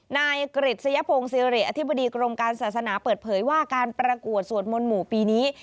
นายกฤษยพงศิริอธิบดีกรมการศาสนาเปิดเผยว่าการประกวดสวดมนต์หมู่ปีนี้